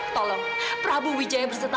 tolong prabu jaya berserta